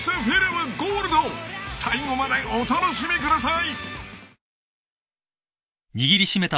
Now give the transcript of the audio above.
［最後までお楽しみください］